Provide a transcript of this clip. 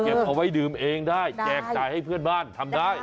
เอาไว้ดื่มเองได้แจกจ่ายให้เพื่อนบ้านทำได้